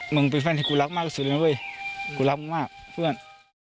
เป็นแฟนที่กูรักมากที่สุดเลยนะเว้ยกูรักมึงมากเพื่อน